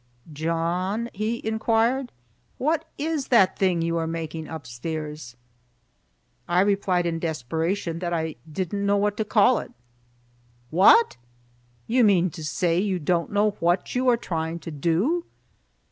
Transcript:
"John," he inquired, "what is that thing you are making upstairs?" I replied in desperation that I didn't know what to call it. "What! You mean to say you don't know what you are trying to do?"